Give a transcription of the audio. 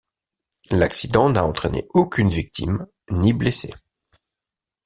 L'accident n'a entrainé aucune victime, ni blessé.